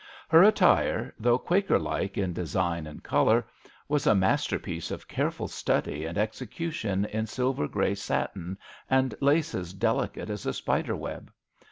Her attire, though Quaker like in design and colour, was a masterpiece of careful study and execution in silver grey satin and laces delicate as a spider web.